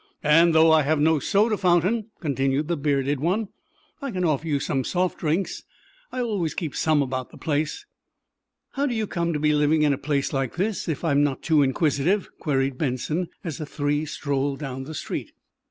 "And, though I have no soda fountain," continued the bearded one, "I can offer you some soft drinks. I always keep some about the place." "How do you come to be living in a place like this, if I'm not too inquisitive?" queried Benson, as the three strolled down the street.